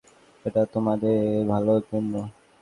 এটা তোদের ভালোর জন্য।